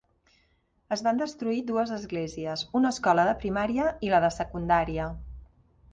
Es van destruir dues esglésies, una escola de primària i la de secundària.